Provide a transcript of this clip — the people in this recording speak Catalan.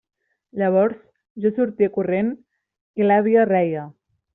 Llavors jo sortia corrent i l'àvia reia.